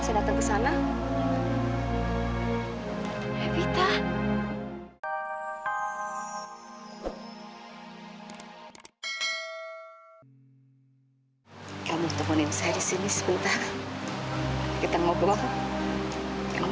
saya senang banget bisa nemenin ibu di sini